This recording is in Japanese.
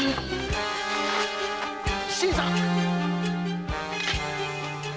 新さん！